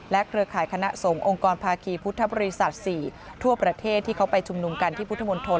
เครือข่ายคณะสงฆ์องค์กรภาคีพุทธบริษัท๔ทั่วประเทศที่เขาไปชุมนุมกันที่พุทธมนตร